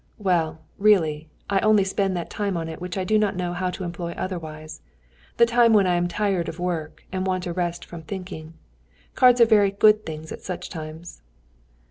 "Well, really, I only spend that time on it which I do not know how to employ otherwise, the time when I am tired of work, and want a rest from thinking. Cards are very good things at such times."